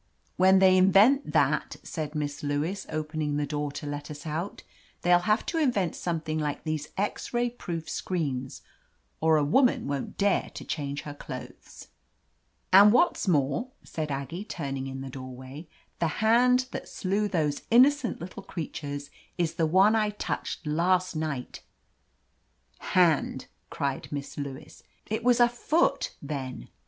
"When they invent that," said Miss Lewis, opening the door to let us out, "they'll have to invent something like these X ray proof screens, or a woman won't dare to change her clothes." 113 ] V THE AMAZING ADVENTURES "And what's more," said Aggie, turning in the doorway, "the hand that slew those inno cent little creatures is the one I touched last night !" "Hand !" cried Miss Lewis. "It was a foot then."